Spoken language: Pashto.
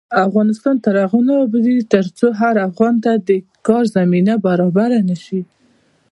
افغانستان تر هغو نه ابادیږي، ترڅو هر افغان ته د کار زمینه برابره نشي.